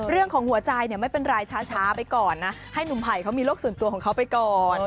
เรื่องของหัวใจเนี่ยไม่เป็นไรช้าไปก่อนนะให้หนุ่มไผ่เขามีโรคส่วนตัวของเขาไปก่อน